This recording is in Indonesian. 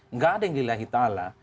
enggak ada yang dilihahi ta'ala